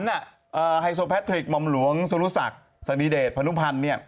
ขวัญไฮโซแพทริกมอมหลวงสุรุสักสันนิเดชพนุพันธ์